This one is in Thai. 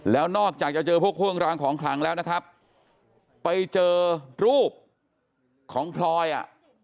แล้วนอกจากจะเจอพวกเครื่องรางของขลังแล้วนะครับไปเจอรูปของพลอยอ่ะ